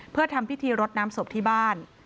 เพื่อทำพิธีรดน้ำศพที่บ้าน